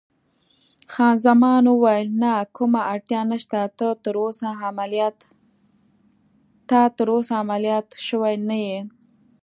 خان زمان وویل: نه، کومه اړتیا نشته، ته تراوسه عملیات شوی نه یې.